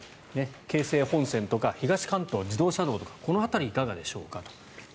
京成本線とか東関東自動車道とかこの辺りはいかがでしょうかと。